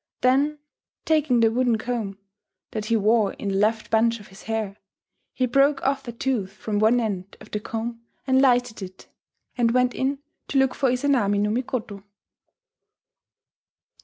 Then, taking the wooden comb that he wore in the left bunch of his hair, he broke off a tooth from one end of the comb and lighted it, and went in to look for Izanami no Mikoto.